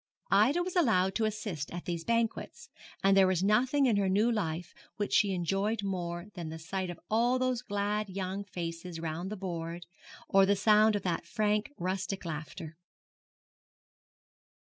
Ida was allowed to assist at these banquets, and there was nothing in her new life which she enjoyed more than the sight of all those glad young faces round the board, or the sound of that frank, rustic laughter.